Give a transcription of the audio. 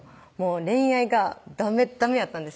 恋愛がダメダメやったんですよ